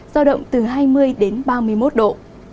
giao động từ hai mươi đến ba mươi một độ